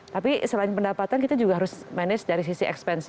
tapi selain pendapatan kita juga harus manage dari sisi ekspansi